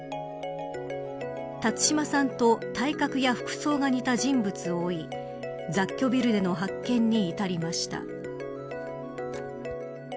辰島さんと体格や服装が似た人物を追い雑居ビルでの発見に至りました。